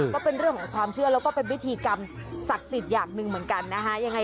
ก็เป็นเรื่องของความเชื่อแล้วก็เป็นพิธีกรรมศักดิ์สิทธิ์อย่างหนึ่งเหมือนกันนะฮะ